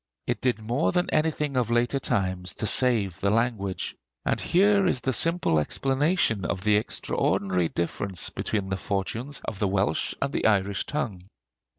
It did more than anything of later time to save the language; and here is the simple explanation of the extraordinary difference between the fortunes of the Welsh and the Irish tongue.